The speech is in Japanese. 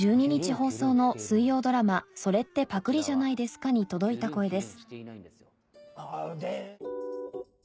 放送の水曜ドラマ『それってパクリじゃないですか？』に届いた声です